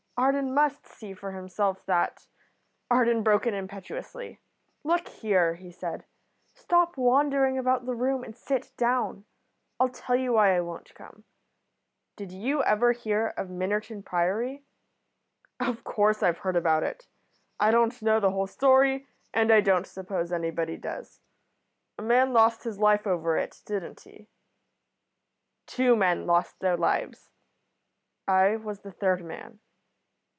Arden must see for himself that Arden broke in impetuously. "Look here," he said. "Stop wandering about the room and sit down. I'll tell you why I won't come. Did you ever hear of Minnerton Priory?" "Of course I've heard about it. I don't know the whole story, and I don't suppose anybody does. A man lost his life over it, didn't he?" "Two men lost their lives. I was the third man.